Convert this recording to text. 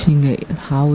suy nghĩ như thế nào